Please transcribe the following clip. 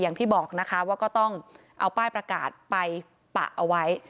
อย่างที่บอกนะคะว่าก็ต้องเอาป้ายประกาศไปปะเอาไว้